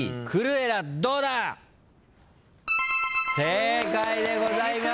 正解でございます！